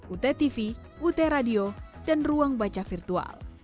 ut tv ut radio dan ruang baca virtual